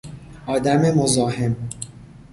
آدم مزاحم